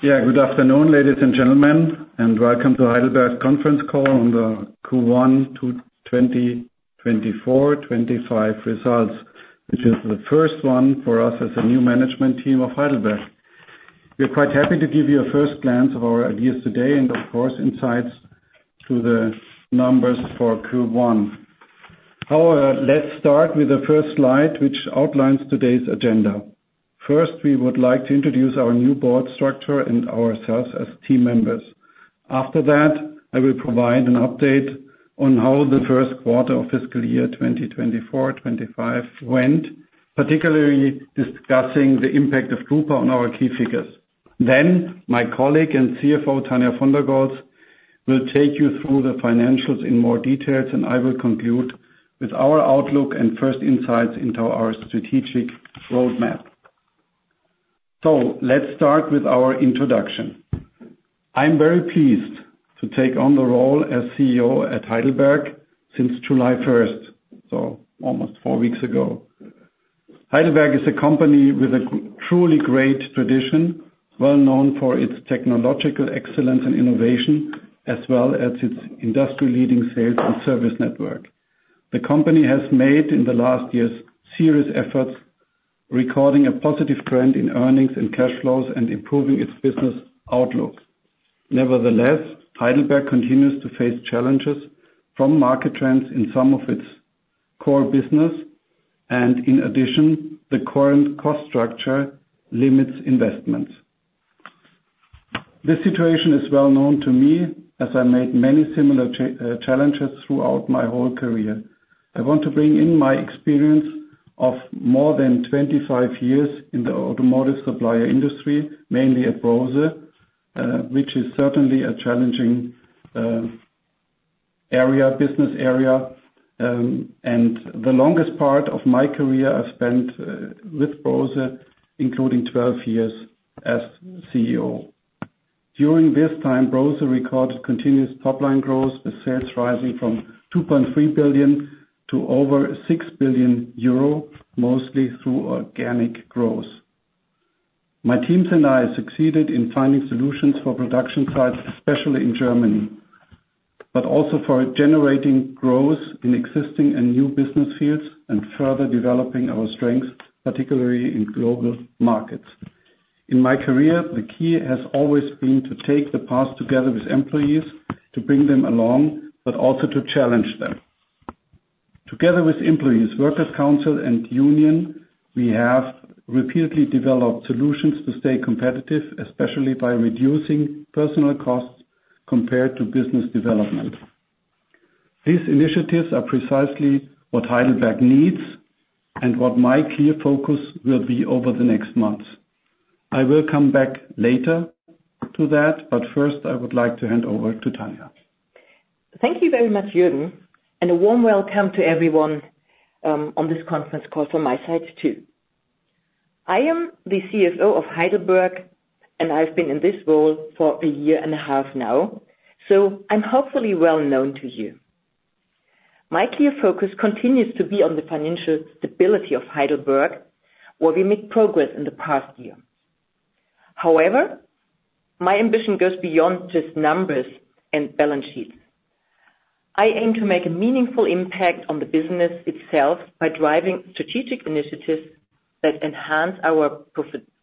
Yeah, good afternoon, ladies and gentlemen, and welcome to Heidelberg Conference Call on the Q1 2024-2025 results, which is the first one for us as a new management team of Heidelberg. We're quite happy to give you a first glance of our ideas today and, of course, insights to the numbers for Q1. However, let's start with the first slide, which outlines today's agenda. First, we would like to introduce our new board structure and ourselves as team members. After that, I will provide an update on how the Q1 of fiscal year 2024-25 went, particularly discussing the impact of Drupa on our key figures. Then, my colleague and CFO, Tania von der Goltz, will take you through the financials in more detail, and I will conclude with our outlook and first insights into our strategic roadmap. So, let's start with our introduction. I'm very pleased to take on the role as CEO at Heidelberg since July 1st, so almost four weeks ago. Heidelberg is a company with a truly great tradition, well known for its technological excellence and innovation, as well as its industry-leading sales and service network. The company has made in the last years serious efforts, recording a positive trend in earnings and cash flows and improving its business outlook. Nevertheless, Heidelberg continues to face challenges from market trends in some of its core business, and in addition, the current cost structure limits investments. This situation is well known to me, as I've made many similar challenges throughout my whole career. I want to bring in my experience of more than 25 years in the automotive supplier industry, mainly at Brose, which is certainly a challenging business area. The longest part of my career I've spent with Brose, including 12 years as CEO. During this time, Brose recorded continuous top-line growth, with sales rising from 2.3 billion to over 6 billion euro, mostly through organic growth. My teams and I succeeded in finding solutions for production sites, especially in Germany, but also for generating growth in existing and new business fields and further developing our strengths, particularly in global markets. In my career, the key has always been to take the past together with employees, to bring them along, but also to challenge them. Together with employees, Workers' Council, and union, we have repeatedly developed solutions to stay competitive, especially by reducing personal costs compared to business development. These initiatives are precisely what Heidelberg needs and what my clear focus will be over the next months. I will come back later to that, but first, I would like to hand over to Tania. Thank you very much, Jürgen, and a warm welcome to everyone on this conference call from my side too. I am the CFO of Heidelberg, and I've been in this role for a year and a half now, so I'm hopefully well known to you. My clear focus continues to be on the financial stability of Heidelberg, where we made progress in the past year. However, my ambition goes beyond just numbers and balance sheets. I aim to make a meaningful impact on the business itself by driving strategic initiatives that enhance our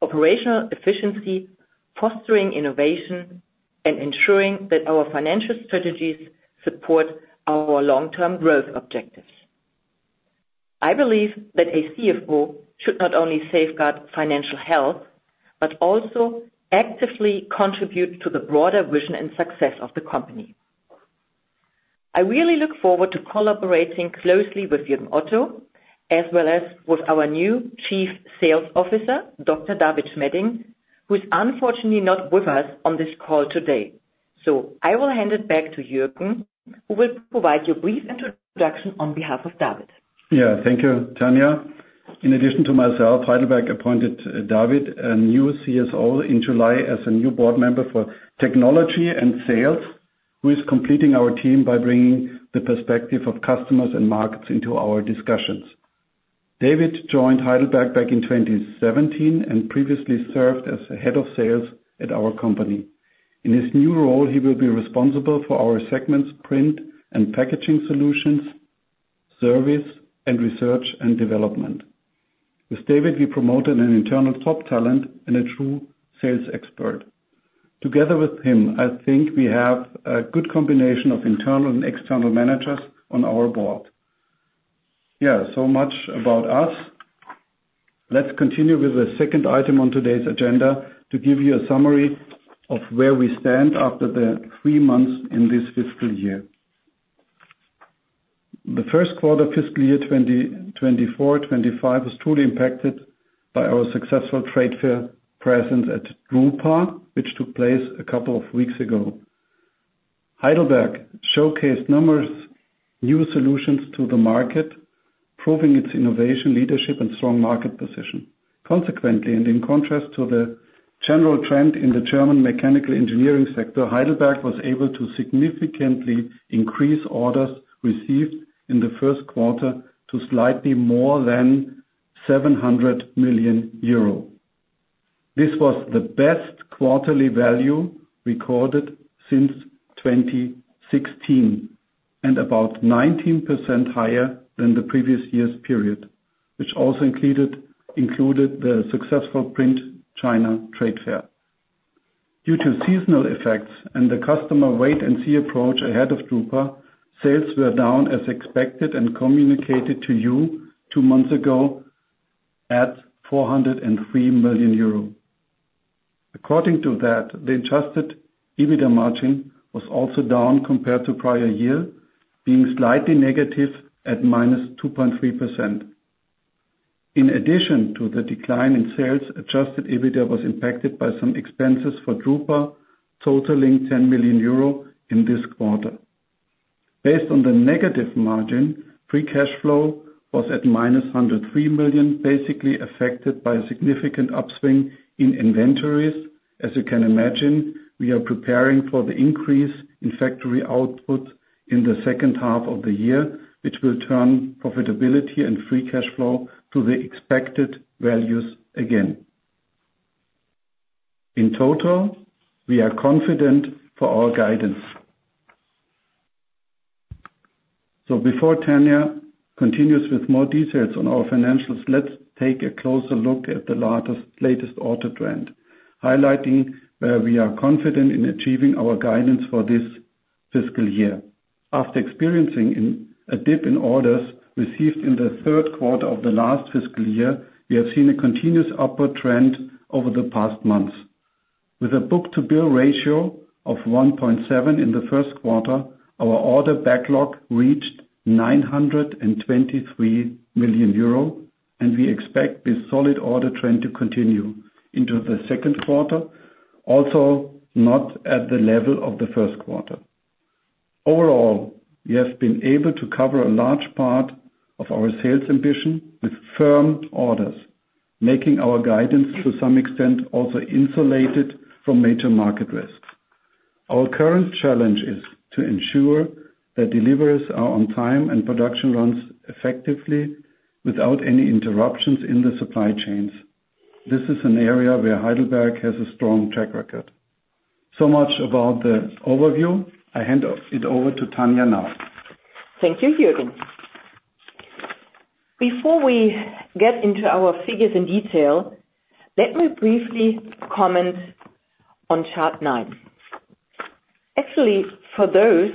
operational efficiency, fostering innovation, and ensuring that our financial strategies support our long-term growth objectives. I believe that a CFO should not only safeguard financial health but also actively contribute to the broader vision and success of the company. I really look forward to collaborating closely with Jürgen Otto, as well as with our new Chief Sales Officer, Dr. David Schmedding, who is unfortunately not with us on this call today. So I will hand it back to Jürgen, who will provide you a brief introduction on behalf of David. Yeah, thank you, Tania. In addition to myself, Heidelberg appointed David, a new CSO, in July as a new board member for technology and sales, who is completing our team by bringing the perspective of customers and markets into our discussions. David joined Heidelberg back in 2017 and previously served as head of sales at our company. In his new role, he will be responsible for our segments: print and packaging solutions, service and research and development. With David, we promoted an internal top talent and a true sales expert. Together with him, I think we have a good combination of internal and external managers on our board. Yeah, so much about us. Let's continue with the second item on today's agenda to give you a summary of where we stand after the three months in this fiscal year. The Q1 of fiscal year 2024-25 was truly impacted by our successful trade fair presence at Drupa, which took place a couple of weeks ago. Heidelberg showcased numerous new solutions to the market, proving its innovation, leadership, and strong market position. Consequently, and in contrast to the general trend in the German mechanical engineering sector, Heidelberg was able to significantly increase orders received in the Q1 to slightly more than 700 million euro. This was the best quarterly value recorded since 2016 and about 19% higher than the previous year's period, which also included the successful Print China trade fair. Due to seasonal effects and the customer wait-and-see approach ahead of Drupa, sales were down as expected and communicated to you two months ago at 403 million euro. According to that, the adjusted EBITDA margin was also down compared to prior year, being slightly negative at -2.3%. In addition to the decline in sales, Adjusted EBITDA was impacted by some expenses for Drupa, totaling 10 million euro in this quarter. Based on the negative margin, free cash flow was at -103 million, basically affected by a significant upswing in inventories. As you can imagine, we are preparing for the increase in factory output in the second half of the year, which will turn profitability and free cash flow to the expected values again. In total, we are confident for our guidance. So before Tania continues with more details on our financials, let's take a closer look at the latest order trend, highlighting where we are confident in achieving our guidance for this fiscal year. After experiencing a dip in orders received in the Q3 of the last fiscal year, we have seen a continuous upward trend over the past months. With a book-to-bill ratio of 1.7 in the Q1, our order backlog reached 923 million euro, and we expect this solid order trend to continue into the Q2, also not at the level of the Q1. Overall, we have been able to cover a large part of our sales ambition with firm orders, making our guidance to some extent also insulated from major market risks. Our current challenge is to ensure that deliveries are on time and production runs effectively without any interruptions in the supply chains. This is an area where Heidelberg has a strong track record. So much about the overview. I hand it over to Tania now. Thank you, Jürgen. Before we get into our figures in detail, let me briefly comment on Chart 9. Actually, for those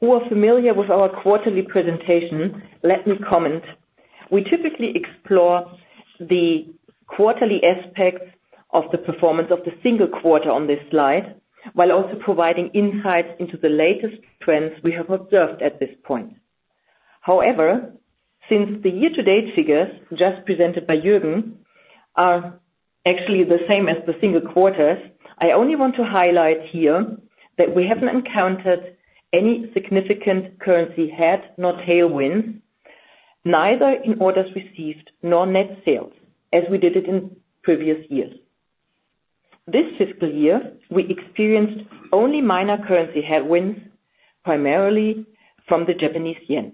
who are familiar with our quarterly presentation, let me comment. We typically explore the quarterly aspects of the performance of the single quarter on this slide, while also providing insights into the latest trends we have observed at this point. However, since the year-to-date figures just presented by Jürgen are actually the same as the single quarters, I only want to highlight here that we haven't encountered any significant currency head nor tailwinds, neither in orders received nor net sales, as we did it in previous years. This fiscal year, we experienced only minor currency headwinds, primarily from the Japanese yen.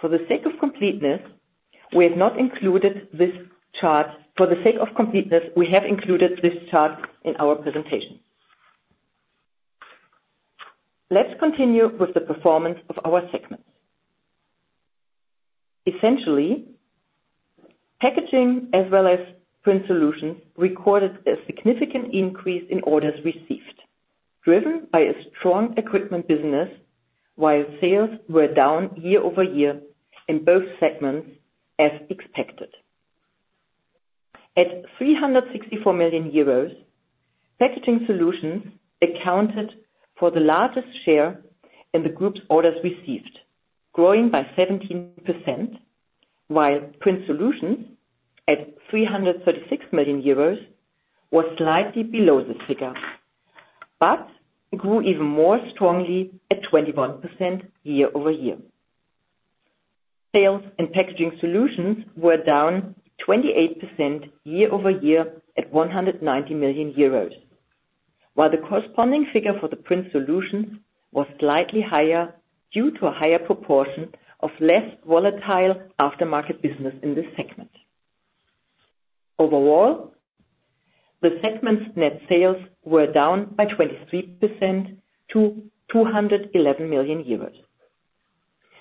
For the sake of completeness, we have not included this chart. For the sake of completeness, we have included this chart in our presentation. Let's continue with the performance of our segments. Essentially, packaging as well as print solutions recorded a significant increase in orders received, driven by a strong equipment business, while sales were down year-over-year in both segments as expected. At 364 million euros, packaging solutions accounted for the largest share in the group's orders received, growing by 17%, while print solutions at 336 million euros were slightly below this figure but grew even more strongly at 21% year-over-year. Sales and packaging solutions were down 28% year-over-year at 190 million euros, while the corresponding figure for the print solutions was slightly higher due to a higher proportion of less volatile aftermarket business in this segment. Overall, the segment's net sales were down by 23% to 211 million euros.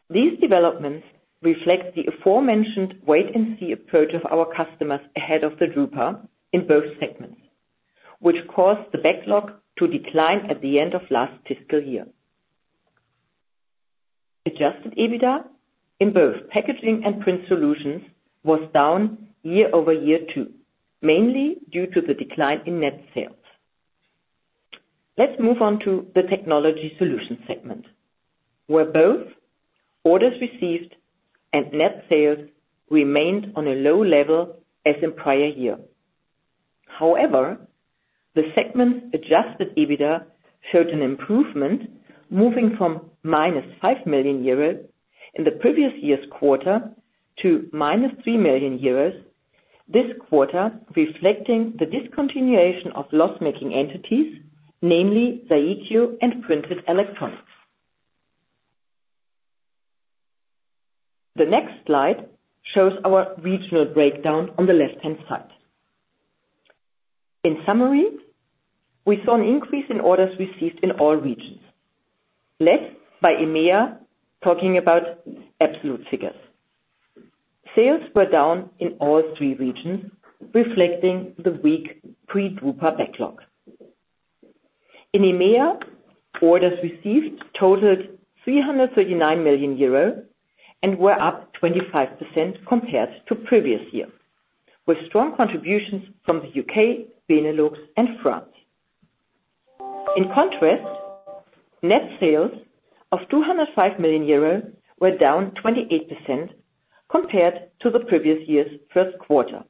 These developments reflect the aforementioned wait-and-see approach of our customers ahead of the Drupa in both segments, which caused the backlog to decline at the end of last fiscal year. Adjusted EBITDA in both packaging and print solutions was down year over year too, mainly due to the decline in net sales. Let's move on to the technology solutions segment, where both orders received and net sales remained on a low level as in prior year. However, the segment's adjusted EBITDA showed an improvement, moving from minus 5 million euros in the previous year's quarter to minus 3 million euros this quarter, reflecting the discontinuation of loss-making entities, namely Zaikio and printed electronics. The next slide shows our regional breakdown on the left-hand side. In summary, we saw an increase in orders received in all regions, led by EMEA talking about absolute figures. Sales were down in all three regions, reflecting the weak pre-Drupa backlog. In EMEA, orders received totaled 339 million euro and were up 25% compared to previous year, with strong contributions from the UK, Benelux, and France. In contrast, net sales of 205 million euro were down 28% compared to the previous year's Q1.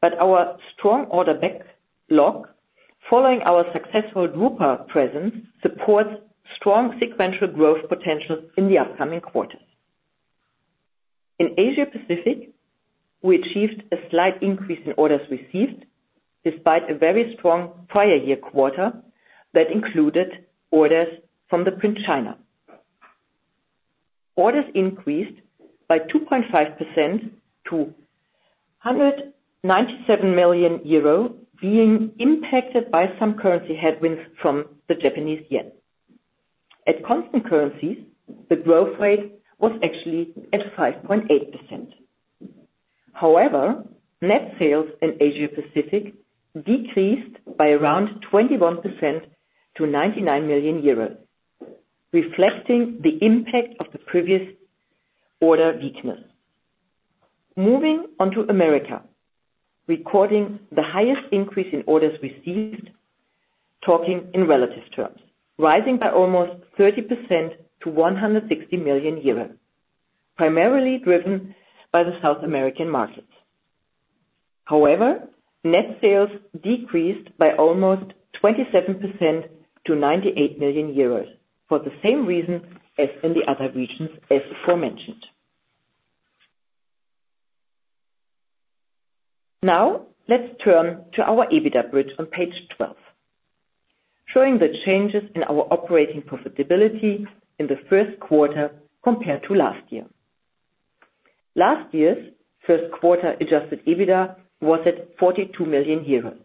But our strong order backlog, following our successful Drupa presence, supports strong sequential growth potential in the upcoming quarter. In Asia-Pacific, we achieved a slight increase in orders received despite a very strong prior year quarter that included orders from the Print China. Orders increased by 2.5% to 197 million euro, being impacted by some currency headwinds from the Japanese yen. At constant currencies, the growth rate was actually at 5.8%. However, net sales in Asia-Pacific decreased by around 21% to 99 million euros, reflecting the impact of the previous order weakness. Moving on to America, recording the highest increase in orders received, talking in relative terms, rising by almost 30% to 160 million euros, primarily driven by the South American markets. However, net sales decreased by almost 27% to 98 million euros for the same reason as in the other regions, as aforementioned. Now, let's turn to our EBITDA bridge on page 12, showing the changes in our operating profitability in the Q1 compared to last year. Last year's Q1 adjusted EBITDA was at 42 million euros.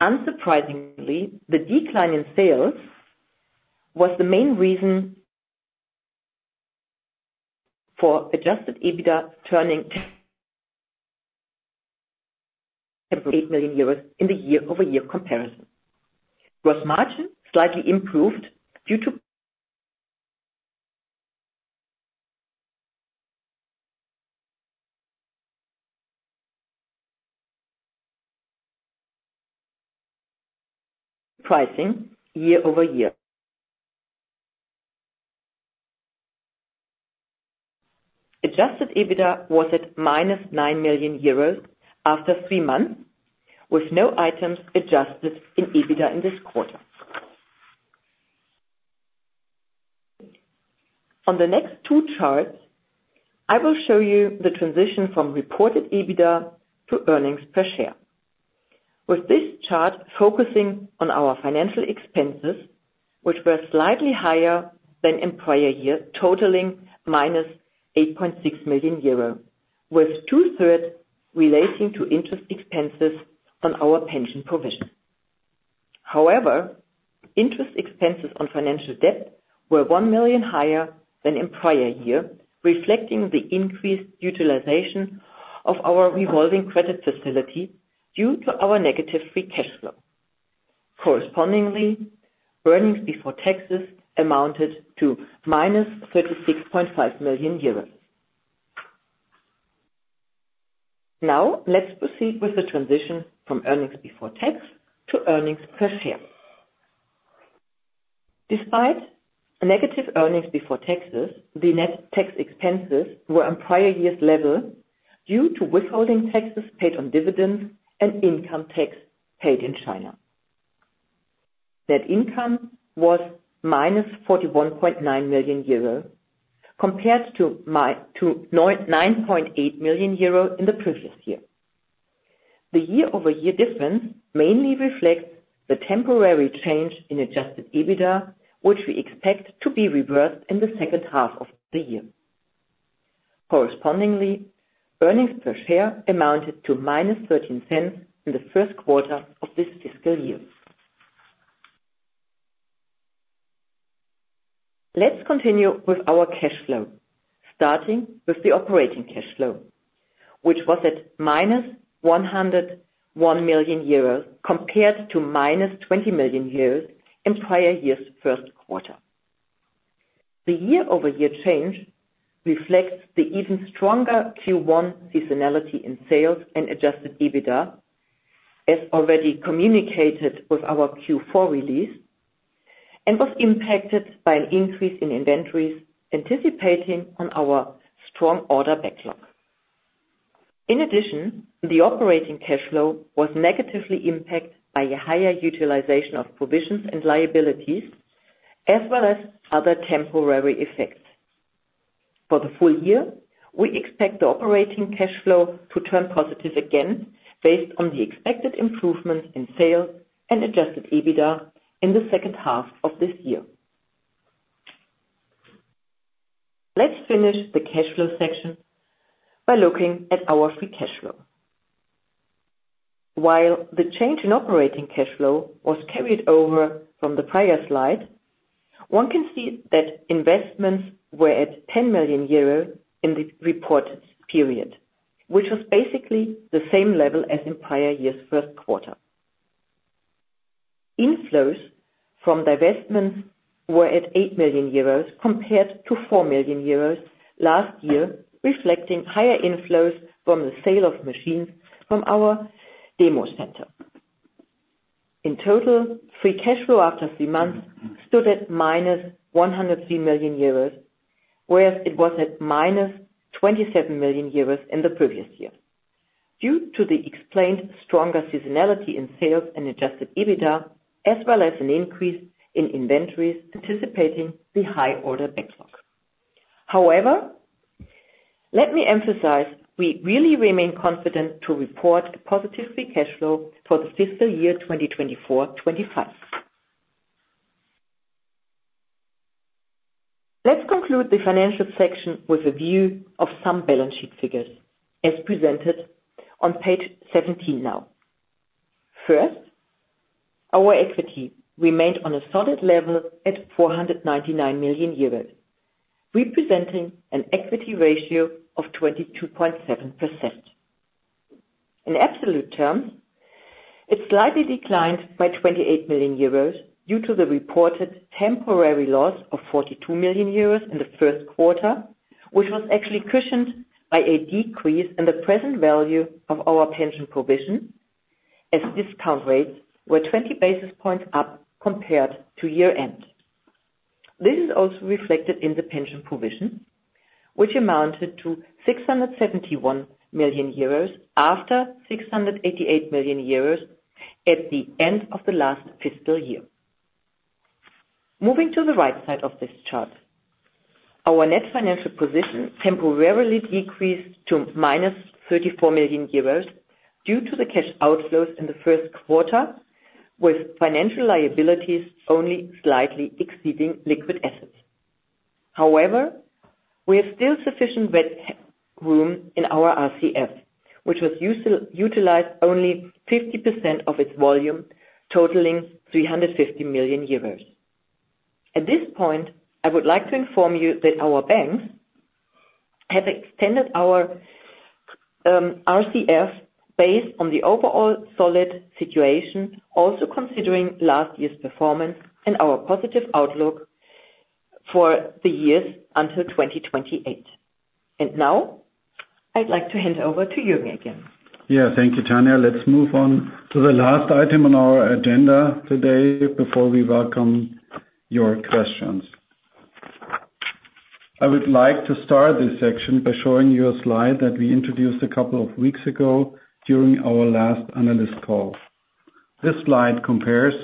Unsurprisingly, the decline in sales was the main reason for adjusted EBITDA turning 8 million euros in the year-over-year comparison. Gross margin slightly improved due to pricing year-over-year. Adjusted EBITDA was at -9 million euros after three months, with no items adjusted in EBITDA in this quarter. On the next two charts, I will show you the transition from reported EBITDA to earnings per share, with this chart focusing on our financial expenses, which were slightly higher than in prior year, totaling minus 8.6 million euro, with two-thirds relating to interest expenses on our pension provision. However, interest expenses on financial debt were 1 million higher than in prior year, reflecting the increased utilization of our revolving credit facility due to our negative free cash flow. Correspondingly, earnings before taxes amounted to minus EUR 36.5 million. Now, let's proceed with the transition from earnings before tax to earnings per share. Despite negative earnings before taxes, the net tax expenses were on prior year's level due to withholding taxes paid on dividends and income tax paid in China. Net income was minus 41.9 million euro compared to 9.8 million euro in the previous year. The year-over-year difference mainly reflects the temporary change in adjusted EBITDA, which we expect to be reversed in the second half of the year. Correspondingly, earnings per share amounted to -0.13 in the Q1 of this fiscal year. Let's continue with our cash flow, starting with the operating cash flow, which was at -101 million euros compared to -20 million euros in prior year's Q1. The year-over-year change reflects the even stronger Q1 seasonality in sales and adjusted EBITDA, as already communicated with our Q4 release, and was impacted by an increase in inventories anticipating on our strong order backlog. In addition, the operating cash flow was negatively impacted by a higher utilization of provisions and liabilities, as well as other temporary effects. For the full year, we expect the operating cash flow to turn positive again based on the expected improvements in sales and adjusted EBITDA in the second half of this year. Let's finish the cash flow section by looking at our free cash flow. While the change in operating cash flow was carried over from the prior slide, one can see that investments were at 10 million euro in the reported period, which was basically the same level as in prior year's Q1. Inflows from divestments were at 8 million euros compared to 4 million euros last year, reflecting higher inflows from the sale of machines from our demo center. In total, free cash flow after three months stood at minus 103 million euros, whereas it was at minus 27 million euros in the previous year, due to the explained stronger seasonality in sales and Adjusted EBITDA, as well as an increase in inventories anticipating the high order backlog. However, let me emphasize, we really remain confident to report a positive free cash flow for the fiscal year 2024-25. Let's conclude the financial section with a view of some balance sheet figures, as presented on page 17 now. First, our equity remained on a solid level at 499 million euros, representing an equity ratio of 22.7%. In absolute terms, it slightly declined by 28 million euros due to the reported temporary loss of 42 million euros in the Q1, which was actually cushioned by a decrease in the present value of our pension provision, as discount rates were 20 basis points up compared to year-end. This is also reflected in the pension provision, which amounted to 671 million euros after 688 million euros at the end of the last fiscal year. Moving to the right side of this chart, our net financial position temporarily decreased to -34 million euros due to the cash outflows in the Q1, with financial liabilities only slightly exceeding liquid assets. However, we have still sufficient room in our RCF, which was utilized only 50% of its volume, totaling 350 million euros. At this point, I would like to inform you that our banks have extended our RCF based on the overall solid situation, also considering last year's performance and our positive outlook for the years until 2028. Now, I'd like to hand over to Jürgen again. Yeah, thank you, Tania. Let's move on to the last item on our agenda today before we welcome your questions. I would like to start this section by showing you a slide that we introduced a couple of weeks ago during our last analyst call. This slide compares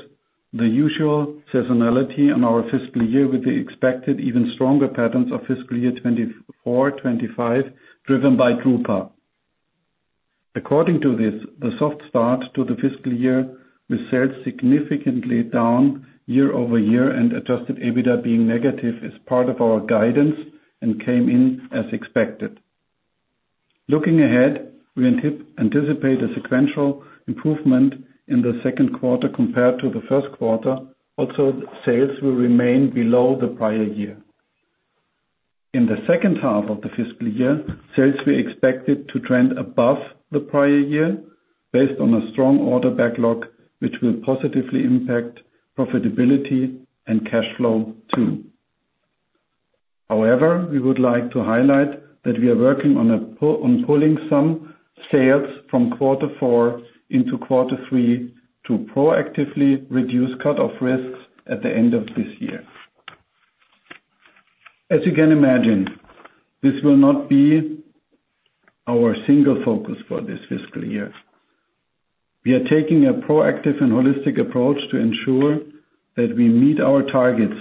the usual seasonality on our fiscal year with the expected even stronger patterns of fiscal year 2024-25 driven by Drupa. According to this, the soft start to the fiscal year with sales significantly down year-over-year and adjusted EBITDA being negative is part of our guidance and came in as expected. Looking ahead, we anticipate a sequential improvement in the Q2 compared to the Q1. Also, sales will remain below the prior year. In the second half of the fiscal year, sales were expected to trend above the prior year based on a strong order backlog, which will positively impact profitability and cash flow too. However, we would like to highlight that we are working on pulling some sales from Q4 into Q3 to proactively reduce cut-off risks at the end of this year. As you can imagine, this will not be our single focus for this fiscal year. We are taking a proactive and holistic approach to ensure that we meet our targets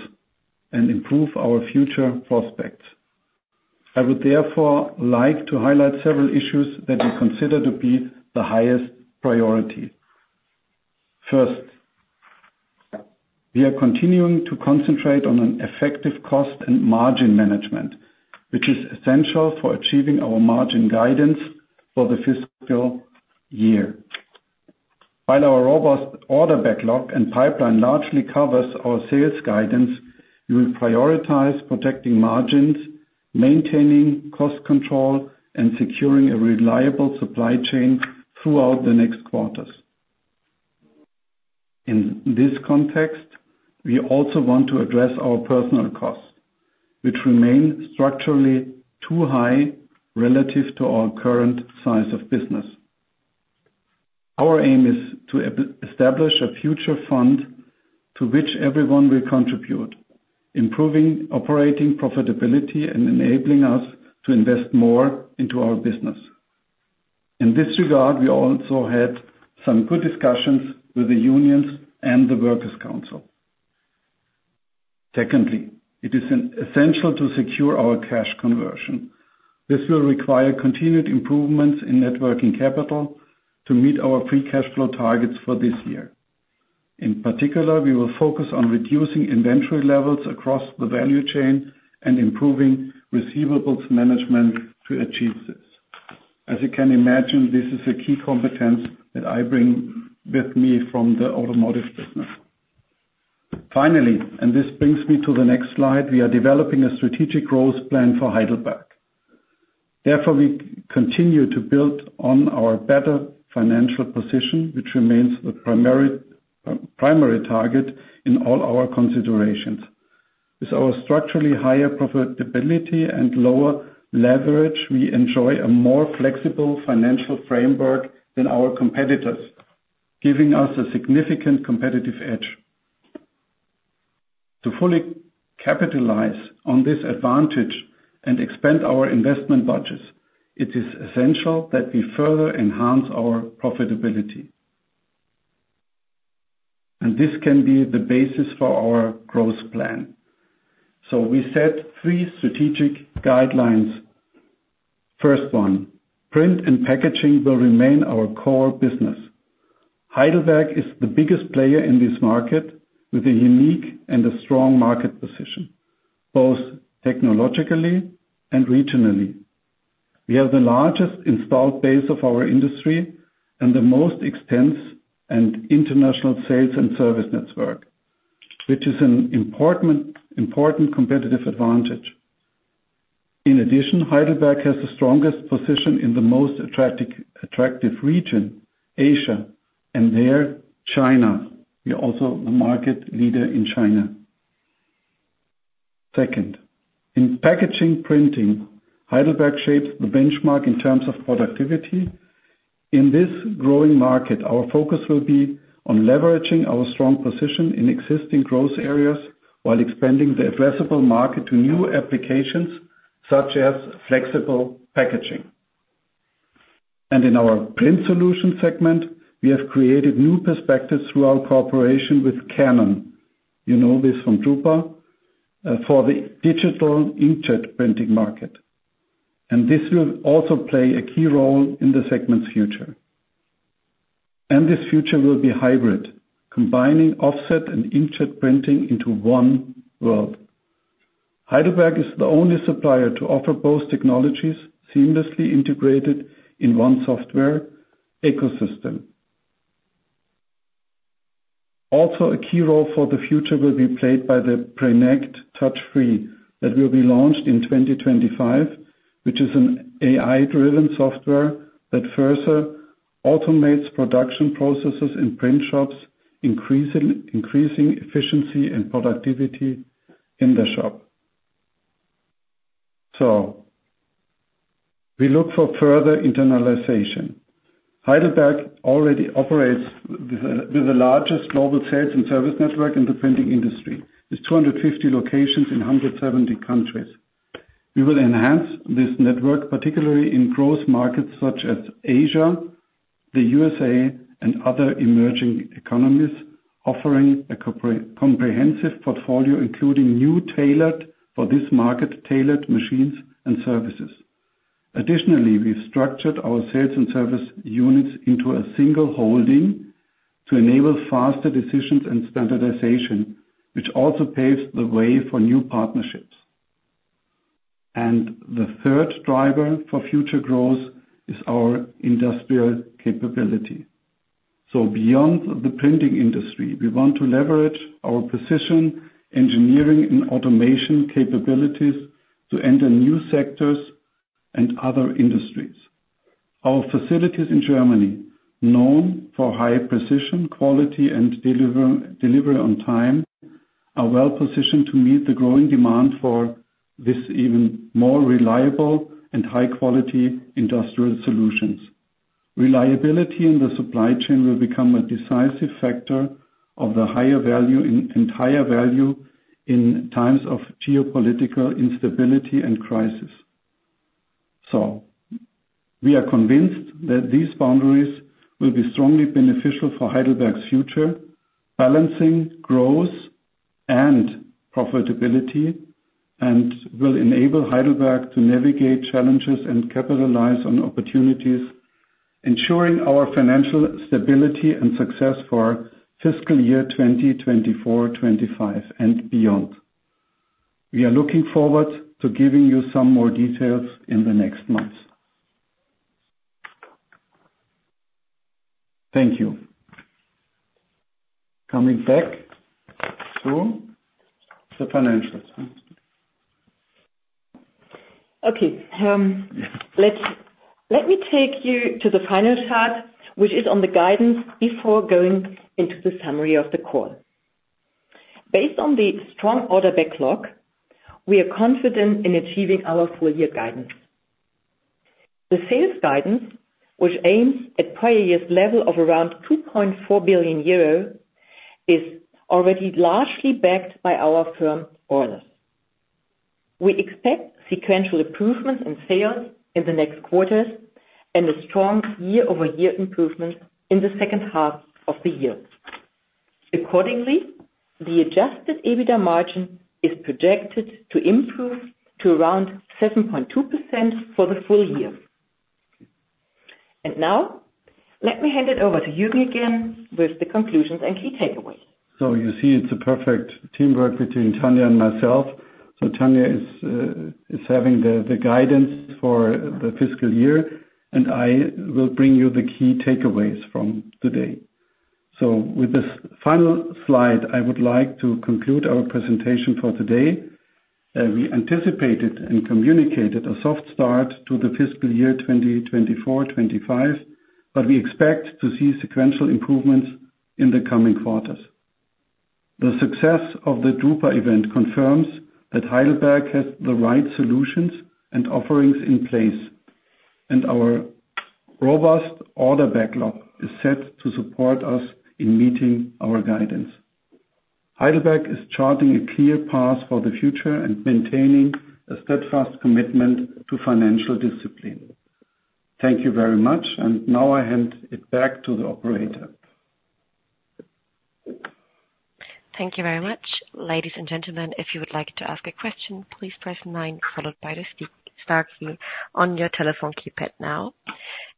and improve our future prospects. I would therefore like to highlight several issues that we consider to be the highest priority. First, we are continuing to concentrate on effective cost and margin management, which is essential for achieving our margin guidance for the fiscal year. While our robust order backlog and pipeline largely covers our sales guidance, we will prioritize protecting margins, maintaining cost control, and securing a reliable supply chain throughout the next quarters. In this context, we also want to address our personnel costs, which remain structurally too high relative to our current size of business. Our aim is to establish a future fund to which everyone will contribute, improving operating profitability and enabling us to invest more into our business. In this regard, we also had some good discussions with the unions and the Workers' Council. Secondly, it is essential to secure our cash conversion. This will require continued improvements in net working capital to meet our free cash flow targets for this year. In particular, we will focus on reducing inventory levels across the value chain and improving receivables management to achieve this. As you can imagine, this is a key competence that I bring with me from the automotive business. Finally, and this brings me to the next slide, we are developing a strategic growth plan for Heidelberg. Therefore, we continue to build on our better financial position, which remains the primary target in all our considerations. With our structurally higher profitability and lower leverage, we enjoy a more flexible financial framework than our competitors, giving us a significant competitive edge. To fully capitalize on this advantage and expand our investment budgets, it is essential that we further enhance our profitability. This can be the basis for our growth plan. We set three strategic guidelines. First one, print and packaging will remain our core business. Heidelberg is the biggest player in this market with a unique and a strong market position, both technologically and regionally. We have the largest installed base of our industry and the most extensive international sales and service network, which is an important competitive advantage. In addition, Heidelberg has the strongest position in the most attractive region, Asia, and there, China. We are also the market leader in China. Second, in packaging printing, Heidelberg shapes the benchmark in terms of productivity. In this growing market, our focus will be on leveraging our strong position in existing growth areas while expanding the addressable market to new applications such as flexible packaging. And in our print solution segment, we have created new perspectives through our cooperation with Canon. You know this from Drupa, for the digital inkjet printing market. And this will also play a key role in the segment's future. This future will be hybrid, combining offset and inkjet printing into one world. Heidelberg is the only supplier to offer both technologies seamlessly integrated in one software ecosystem. Also, a key role for the future will be played by the Prinect Touch Free that will be launched in 2025, which is an AI-driven software that further automates production processes in print shops, increasing efficiency and productivity in the shop. So we look for further internationalization. Heidelberg already operates with the largest global sales and service network in the printing industry. It's 250 locations in 170 countries. We will enhance this network, particularly in growth markets such as Asia, the USA, and other emerging economies, offering a comprehensive portfolio, including new tailored for this market tailored machines and services. Additionally, we've structured our sales and service units into a single holding to enable faster decisions and standardization, which also paves the way for new partnerships. The third driver for future growth is our industrial capability. Beyond the printing industry, we want to leverage our position, engineering, and automation capabilities to enter new sectors and other industries. Our facilities in Germany, known for high precision, quality, and delivery on time, are well positioned to meet the growing demand for this even more reliable and high-quality industrial solutions. Reliability in the supply chain will become a decisive factor of the higher value in entire value in times of geopolitical instability and crisis. So we are convinced that these boundaries will be strongly beneficial for Heidelberg's future, balancing growth and profitability, and will enable Heidelberg to navigate challenges and capitalize on opportunities, ensuring our financial stability and success for fiscal year 2024-25 and beyond. We are looking forward to giving you some more details in the next months. Thank you. Coming back to the financials. Okay. Let me take you to the final chart, which is on the guidance before going into the summary of the call. Based on the strong order backlog, we are confident in achieving our full-year guidance. The sales guidance, which aims at prior year's level of around 2.4 billion euro, is already largely backed by our firm's orders. We expect sequential improvements in sales in the next quarters and a strong year-over-year improvement in the second half of the year. Accordingly, the adjusted EBITDA margin is projected to improve to around 7.2% for the full year. And now, let me hand it over to Jürgen again with the conclusions and key takeaways. So you see it's a perfect teamwork between Tania and myself. So Tania is having the guidance for the fiscal year, and I will bring you the key takeaways from today. So with this final slide, I would like to conclude our presentation for today. We anticipated and communicated a soft start to the fiscal year 2024-25, but we expect to see sequential improvements in the coming quarters. The success of the Drupa event confirms that Heidelberg has the right solutions and offerings in place, and our robust order backlog is set to support us in meeting our guidance. Heidelberg is charting a clear path for the future and maintaining a steadfast commitment to financial discipline. Thank you very much, and now I hand it back to the operator. Thank you very much. Ladies and gentlemen, if you would like to ask a question, please press 9 followed by the star key on your telephone keypad now.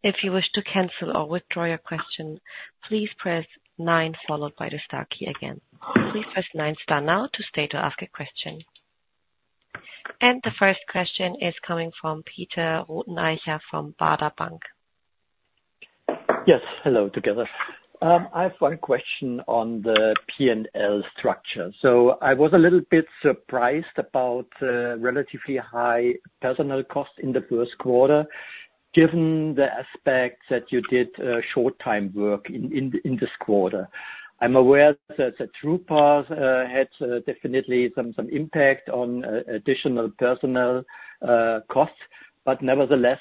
If you wish to cancel or withdraw your question, please press 9 followed by the star key again. Please press 9 star now to state or ask a question. The first question is coming from Peter Rothenaicher from Baader Bank. Yes, hello together. I have one question on the P&L structure. I was a little bit surprised about the relatively high personnel cost in the Q1, given the aspect that you did short-time work in this quarter. I'm aware that Drupa had definitely some impact on additional personal costs, but nevertheless,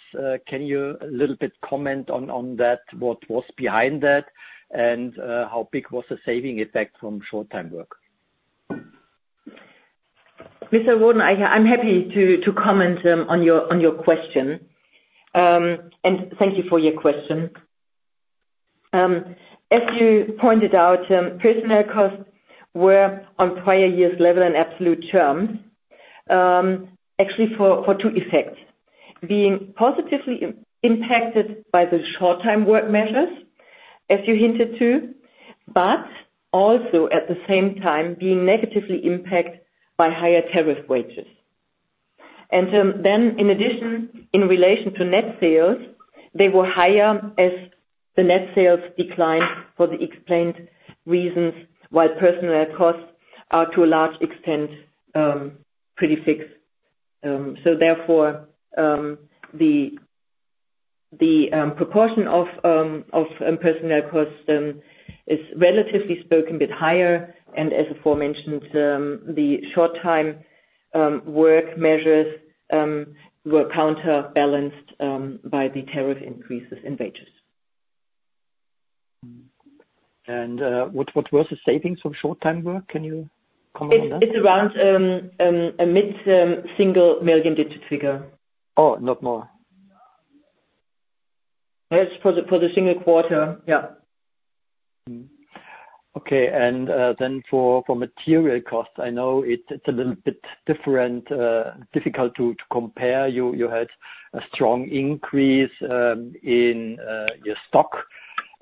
can you a little bit comment on that, what was behind that, and how big was the saving effect from short-time work? Mr. Rothenaicher, I'm happy to comment on your question, and thank you for your question. As you pointed out, personal costs were on prior year's level in absolute terms, actually for two effects, being positively impacted by the short-time work measures, as you hinted to, but also at the same time being negatively impacted by higher tariff wages. And then, in addition, in relation to net sales, they were higher as the net sales declined for the explained reasons, while personal costs are to a large extent pretty fixed. So therefore, the proportion of personnel costs is relatively speaking a bit higher, and as aforementioned, the short-time work measures were counterbalanced by the tariff increases in wages. What was the savings from short-time work? Can you comment on that? It's around a mid-single-digit million EUR figure. Oh, not more. For the single quarter, yeah. Okay. And then for material costs, I know it's a little bit difficult to compare. You had a strong increase in your stock,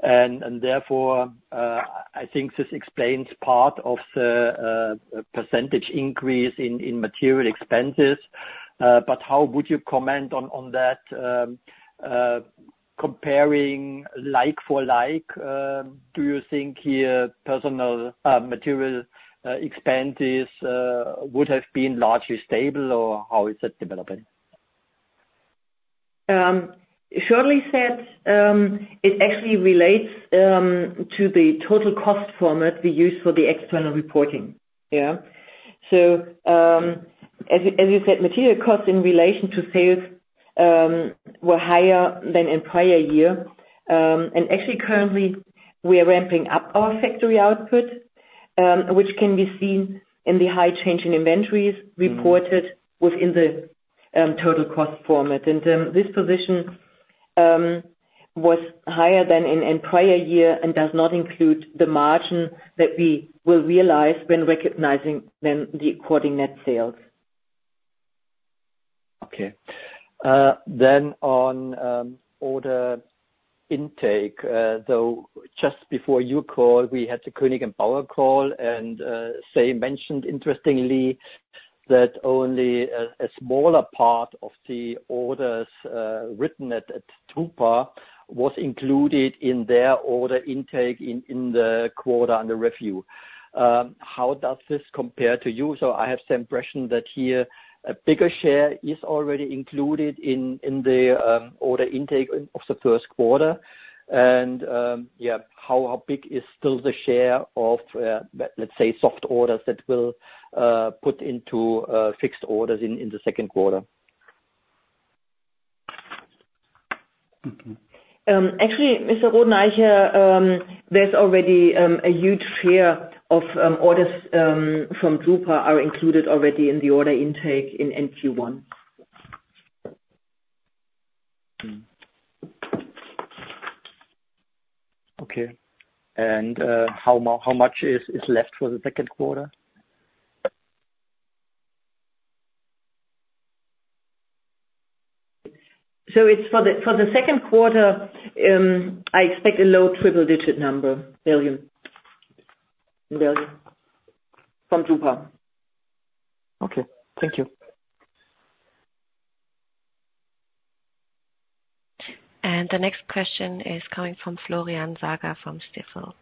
and therefore, I think this explains part of the percentage increase in material expenses. But how would you comment on that? Comparing like for like, do you think here personnel material expenses would have been largely stable, or how is that developing? Shortly said, it actually relates to the total cost format we use for the external reporting. Yeah. So as you said, material costs in relation to sales were higher than in prior year. And actually, currently, we are ramping up our factory output, which can be seen in the high change in inventories reported within the total cost format. And this position was higher than in prior year and does not include the margin that we will realize when recognizing then the according net sales. Okay. Then on order intake, though, just before your call, we had the Koenig & Bauer call, and they mentioned, interestingly, that only a smaller part of the orders written at Drupa was included in their order intake in the quarter under review. How does this compare to you? So I have the impression that here a bigger share is already included in the order intake of the Q1. Yeah, how big is still the share of, let's say, soft orders that will put into fixed orders in the Q2? Actually, Mr. Rotheneicher, there's already a huge share of orders from Drupa that are included already in the order intake in Q1. Okay. And how much is left for the Q2? So for the Q2, I expect a low triple-digit million EUR from Drupa. Okay. Thank you. And the next question is coming from Florian Sager from Stifel.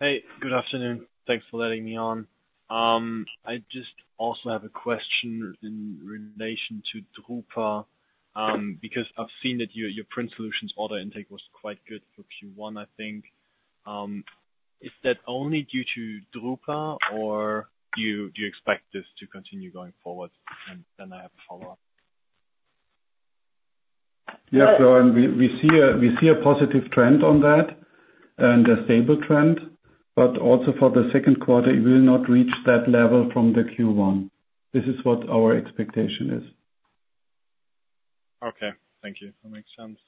Hey, good afternoon. Thanks for letting me on. I just also have a question in relation to Drupa because I've seen that your print solutions order intake was quite good for Q1, I think. Is that only due to Drupa, or do you expect this to continue going forward? And then I have a follow-up. Yeah. So we see a positive trend on that and a stable trend, but also for the Q2, it will not reach that level from the Q1. This is what our expectation is. Okay. Thank you. That makes sense.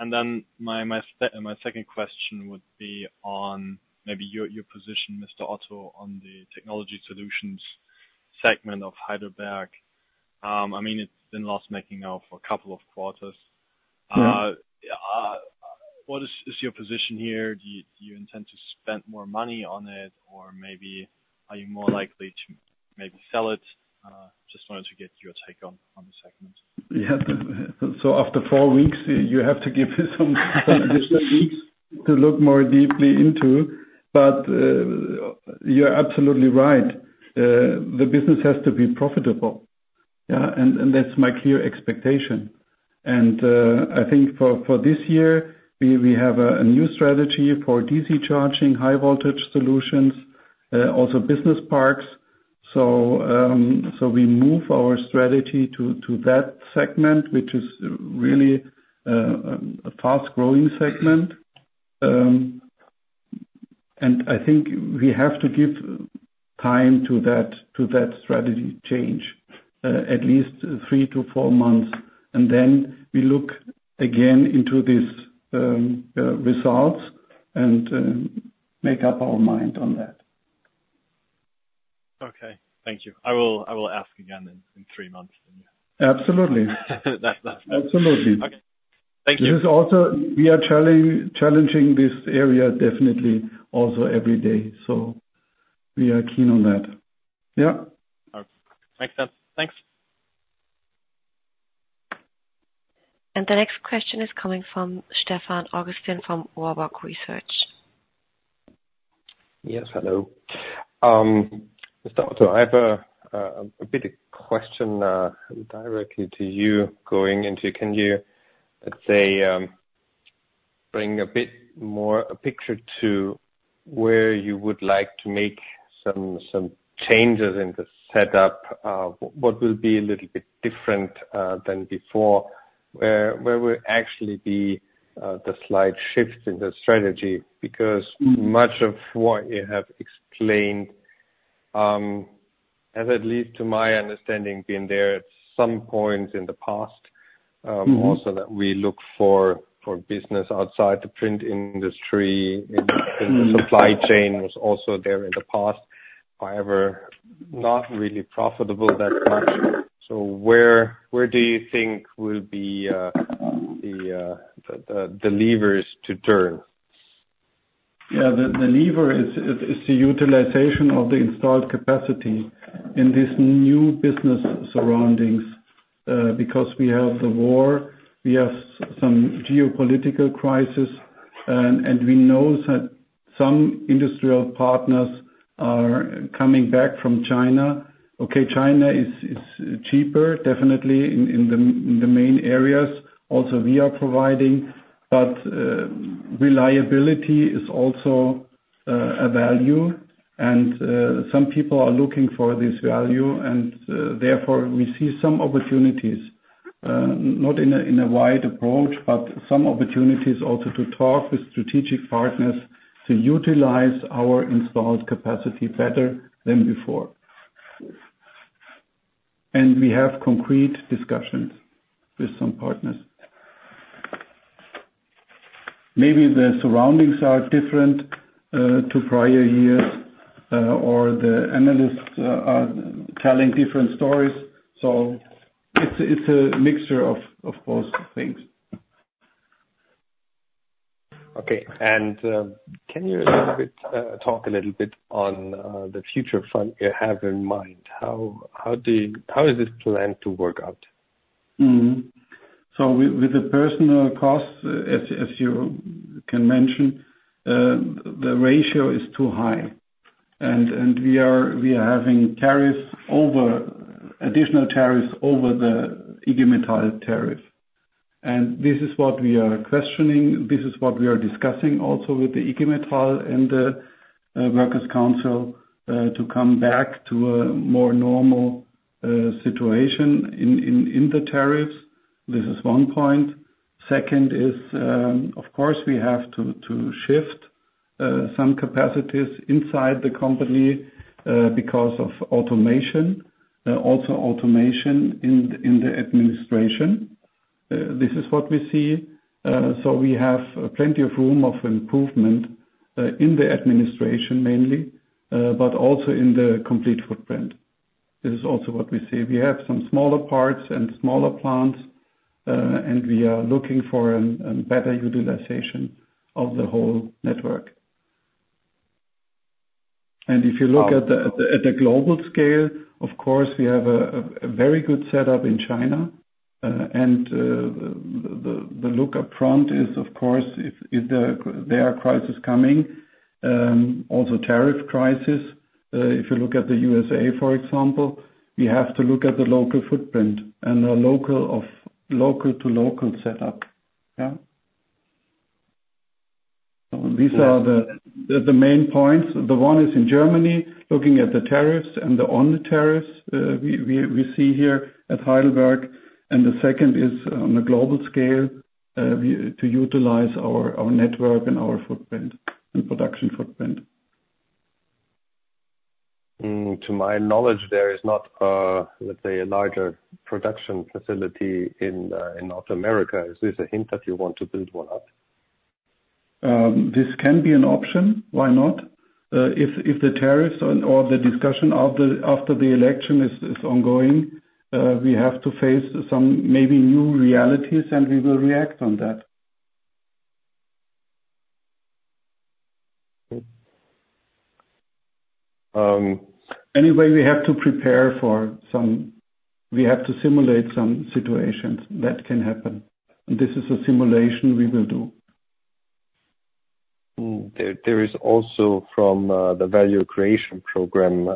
And then my second question would be on maybe your position, Mr. Otto, on the technology solutions segment of Heidelberg. I mean, it's been loss-making now for a couple of quarters. What is your position here? Do you intend to spend more money on it, or maybe are you more likely to maybe sell it? Just wanted to get your take on the segment. Yeah. So after four weeks, you have to give it some additional weeks to look more deeply into. But you're absolutely right. The business has to be profitable. Yeah. And that's my clear expectation. I think for this year, we have a new strategy for DC charging, high-voltage solutions, also business parks. So we move our strategy to that segment, which is really a fast-growing segment. And I think we have to give time to that strategy change, at least three to four months. And then we look again into these results and make up our mind on that. Okay. Thank you. I will ask again in three months. Absolutely. Absolutely. Okay. Thank you. We are challenging this area definitely also every day. So we are keen on that. Yeah. Makes sense. Thanks. And the next question is coming from Stefan Augustin from Warburg Research. Yes. Hello. Mr. Otto, I have a bit of question directly to you going into. Can you, let's say, bring a bit more a picture to where you would like to make some changes in the setup? What will be a little bit different than before? Where will actually be the slight shifts in the strategy? Because much of what you have explained, as at least to my understanding, been there at some point in the past, also that we look for business outside the print industry in the supply chain was also there in the past, however, not really profitable that much. So where do you think will be the levers to turn? Yeah. The lever is the utilization of the installed capacity in these new business surroundings because we have the war, we have some geopolitical crisis, and we know that some industrial partners are coming back from China. Okay. China is cheaper, definitely in the main areas. Also, we are providing, but reliability is also a value, and some people are looking for this value, and therefore, we see some opportunities, not in a wide approach, but some opportunities also to talk with strategic partners to utilize our installed capacity better than before. And we have concrete discussions with some partners. Maybe the surroundings are different to prior years, or the analysts are telling different stories. So it's a mixture of both things. Okay. And can you talk a little bit on the future fund you have in mind? How is this plan to work out? So with the personnel costs, as you can mention, the ratio is too high, and we are having additional tariffs over the IG Metall tariff. And this is what we are questioning. This is what we are discussing also with the IG Metall and the Workers' Council to come back to a more normal situation in the tariffs. This is one point. Second is, of course, we have to shift some capacities inside the company because of automation, also automation in the administration. This is what we see. So we have plenty of room of improvement in the administration mainly, but also in the complete footprint. This is also what we see. We have some smaller parts and smaller plants, and we are looking for a better utilization of the whole network. And if you look at the global scale, of course, we have a very good setup in China, and the look upfront is, of course, if there are crises coming, also tariff crisis. If you look at the USA, for example, we have to look at the local footprint and the local to local setup. Yeah. These are the main points. The one is in Germany, looking at the tariffs and the on-the-tariffs we see here at Heidelberg, and the second is on a global scale to utilize our network and our footprint and production footprint. To my knowledge, there is not, let's say, a larger production facility in North America. Is this a hint that you want to build one up? This can be an option. Why not? If the tariffs or the discussion after the election is ongoing, we have to face some maybe new realities, and we will react on that. Anyway, we have to prepare for some. We have to simulate some situations that can happen. And this is a simulation we will do. There is also from the value creation program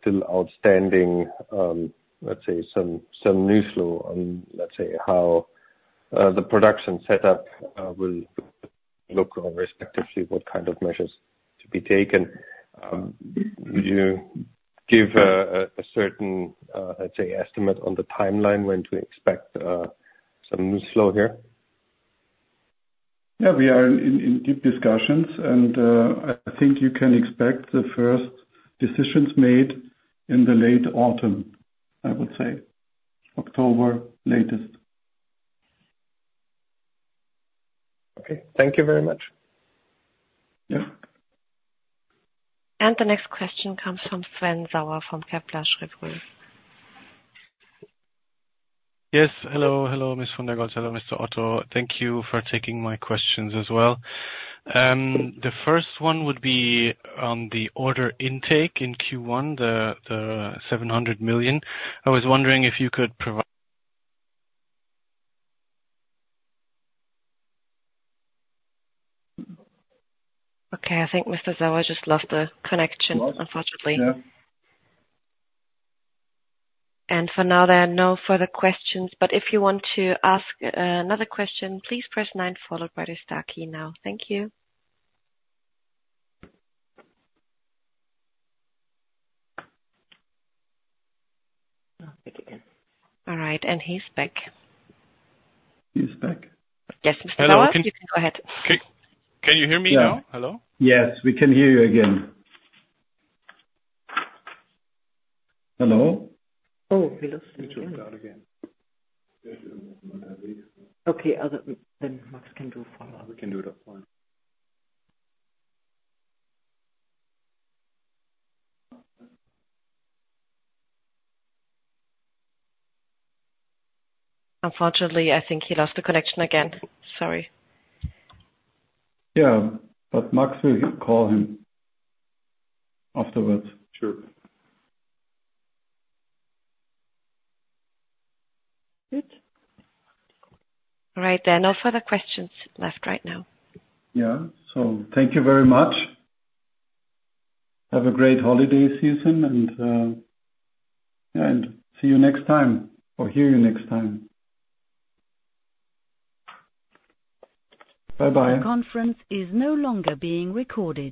still outstanding, let's say, some news flow on, let's say, how the production setup will look or respectively what kind of measures to be taken. Would you give a certain, let's say, estimate on the timeline when to expect some news flow here? Yeah. We are in deep discussions, and I think you can expect the first decisions made in the late autumn, I would say, October latest. Okay. Thank you very much. Yeah. And the next question comes from Sven Sauer from Kepler Cheuvreux. Yes. Hello. Hello, Ms. von der Goltz. Hello, Mr. Otto. Thank you for taking my questions as well. The first one would be on the order intake in Q1, the 700 million. I was wondering if you could provide. Okay. I think Mr. Sauer just lost the connection, unfortunately. And for now, there are no further questions. But if you want to ask another question, please press 9 followed by the star key now. Thank you. All right. And he's back. He's back. Yes, Mr. Sauer, you can go ahead. Can you hear me now? Yeah. Hello Yes. We can hear you again. Hello? Oh, we lost you. You came out again. Okay. Then Max can do follow-up. We can do it offline. Unfortunately, I think he lost the connection again. Sorry. Yeah. But Max will call him afterwards. Sure. Good. All right. There are no further questions left right now. Yeah. So thank you very much. Have a great holiday season, and yeah, and see you next time or hear you next time. Bye-bye. This conference is no longer being recorded.